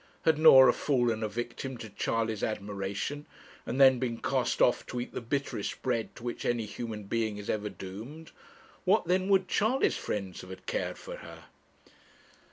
Had Norah fallen a victim to Charley's admiration, and then been cast off to eat the bitterest bread to which any human being is ever doomed, what then would Charley's friends have cared for her?